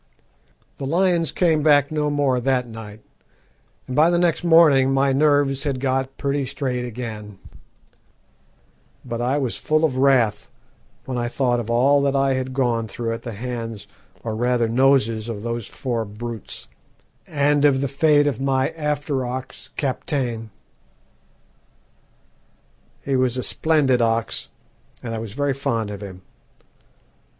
"The lions came back no more that night, and by the next morning my nerves had got pretty straight again; but I was full of wrath when I thought of all that I had gone through at the hands, or rather noses, of those four brutes, and of the fate of my after ox Kaptein. He was a splendid ox, and I was very fond of him.